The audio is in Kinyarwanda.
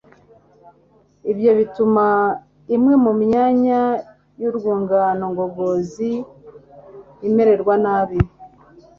Ibyo bituma imwe mu myanya yurwungano ngogozi imererwa nabi